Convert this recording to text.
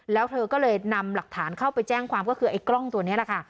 แล้วเธอก็เลยนำหลักฐานเข้าไปแจ้งความก็คือไอ้กล้องตัวนี้แหละค่ะ